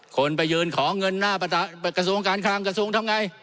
คนไปยืนขอเงินหน้ากระทรวงการคลังกระทรวงทำไง